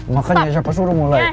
makanya siapa suruh mulai